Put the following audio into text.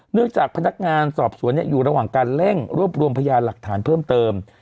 จากพนักงานสอบสวนอยู่ระหว่างการเร่งรวบรวมพยานหลักฐานเพิ่มเติม